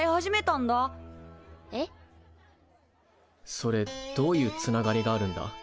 それどういうつながりがあるんだ？